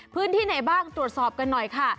พื้นที่ไหนบ้างตรวจสอบกันหน่อยค่ะ